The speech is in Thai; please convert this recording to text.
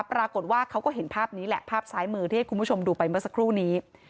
ปรากฏว่าเขาก็เห็นภาพนี้แหละภาพซ้ายมือที่ให้คุณผู้ชมดูไปเมื่อสักครู่นี้